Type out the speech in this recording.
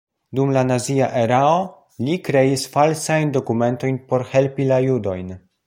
Dum la nazia erao li kreis falsajn dokumentojn por helpi la judojn.